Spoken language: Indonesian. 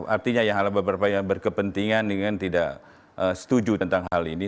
artinya yang ada beberapa yang berkepentingan dengan tidak setuju tentang hal ini